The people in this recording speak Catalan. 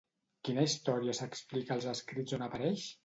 Quina història s'explica als escrits on apareix?